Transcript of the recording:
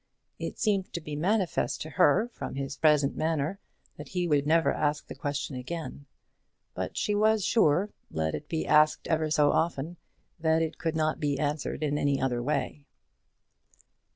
It seemed to be manifest to her, from his present manner, that he would never ask the question again; but she was sure, let it be asked ever so often, that it could not be answered in any other way.